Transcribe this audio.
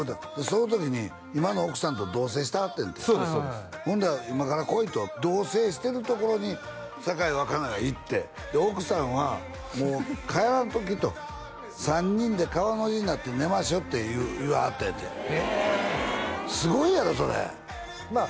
その時に今の奥さんと同棲してはってんってそうですそうですほんなら今から来いと同棲してるところに酒井若菜が行ってで奥さんはもう帰らんときと３人で川の字になって寝ましょって言わはったんやってへえすごいやろそれまあ